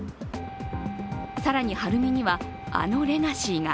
更に晴海にはあのレガシーが。